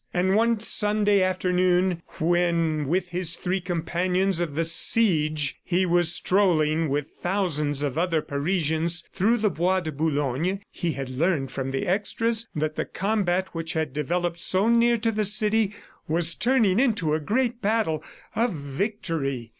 And one Sunday afternoon when, with his three companions of the "siege" he was strolling with thousands of other Parisians through the Bois de Boulogne, he had learned from the extras that the combat which had developed so near to the city was turning into a great battle, a victory.